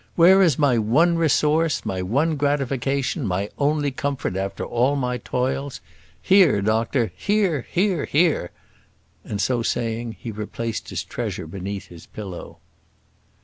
"Where is my one resource, my one gratification, my only comfort after all my toils. Here, doctor; here, here, here!" and, so saying, he replaced his treasure beneath his pillow.